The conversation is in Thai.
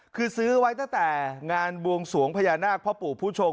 คือซื้อไว้ตั้งแต่งานบวงสวงพญานาคพ่อปู่ผู้ชง